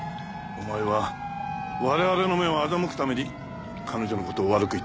お前は我々の目を欺くために彼女の事を悪く言ってたな。